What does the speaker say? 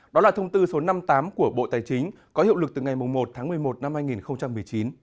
đó là thông tư số năm mươi tám của bộ tài chính có hiệu lực từ ngày một tháng một mươi một năm hai nghìn một mươi chín